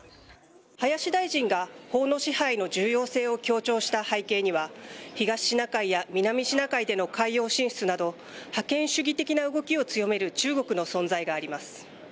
林大臣が法の支配の重要性を強調した背景には東シナ海や南シナ海での海洋進出など覇権主義的な動きを強める中国の存在があります。